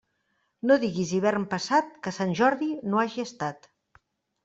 No diguis hivern passat que Sant Jordi no hagi estat.